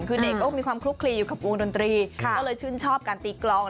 คือเด็กก็มีความคลุกคลีอยู่กับวงดนตรีก็เลยชื่นชอบการตีกลอง